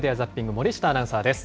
森下アナウンサーです。